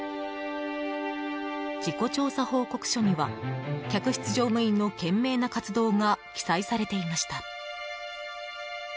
事故調査報告書には客室乗務員の懸命な活動が記載されていました。